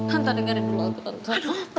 tante dengerin dulu aku tante